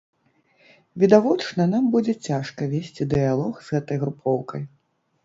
Відавочна, нам будзе цяжка весці дыялог з гэтай групоўкай.